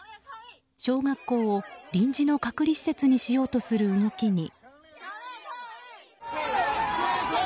小学校を臨時の隔離施設にしようとする動きに。